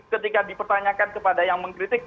ketika dipertanyakan kepada yang mengkritik